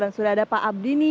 dan sudah ada pak abdi nih